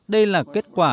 đây là kết quả